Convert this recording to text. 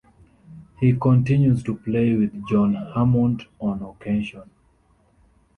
He continues to play with John Hammond on occasion.